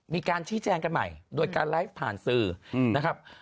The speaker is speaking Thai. มีการชี้แจงกันใหม่โดยการไลฟ์ผ่านสื่อนะครับ